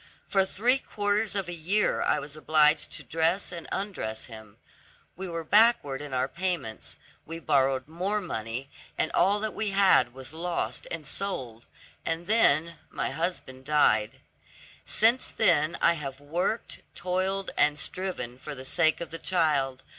For three quarters of a year I was obliged to dress and undress him. We were backward in our payments, we borrowed more money, and all that we had was lost and sold, and then my husband died. Since then I have worked, toiled, and striven for the sake of the child.